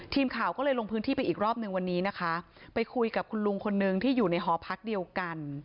ทีมข่าวก็เลยลงพื้นที่ไปอีกรอบหนึ่งวันนี้นะคะไปคุยกับคุณลุงคนนึงที่อยู่ในหอพักเดียวกัน